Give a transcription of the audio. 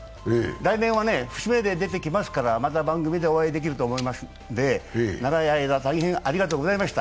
来年は節目で出てきますから、また番組でお会いできると思いますので、長い間、大変ありがとうございました。